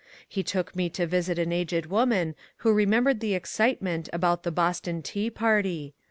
He took me to visit an aged woman who remembered the excitement about the " Boston Tea Party."